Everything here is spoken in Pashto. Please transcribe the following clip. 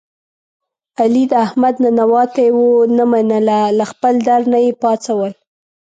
علي د احمد ننواتې و نه منله له خپل در نه یې پا څول.